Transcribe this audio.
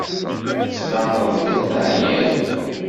Tettbaneḍ-d teɛyiḍ.